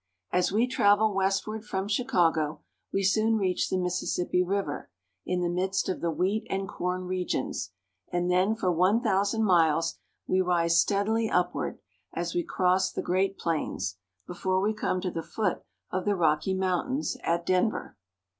As we travel westward from Chicago, we soon reach the Mississippi River in the midst of the wheat and corn regions, and then for one thousand miles we rise steadily upward, as we cross the great plains, before we come to the foot of the Rocky Mountains at Denver.